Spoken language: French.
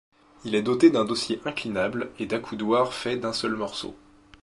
Il est doté d'un dossier inclinable et d'accoudoirs fait d'un seul morceau.